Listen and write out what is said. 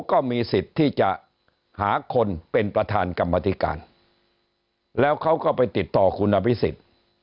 เขาก็ไปติดต่อคุณอภิษฎิ์